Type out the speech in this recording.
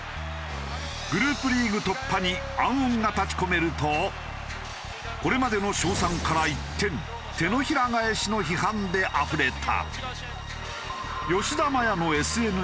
グループリーグ突破に暗雲が立ち込めるとこれまでの称賛から一転手のひら返しの批判であふれた。